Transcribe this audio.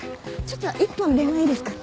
ちょっと１本電話いいですか？